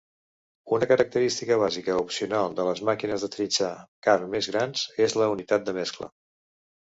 Una característica bàsica opcional de les màquines de trinxar carn més grans és la unitat de mescla.